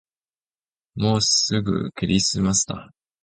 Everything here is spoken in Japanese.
もうすぐクリスマスだ